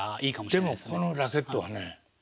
でもこのラケットはね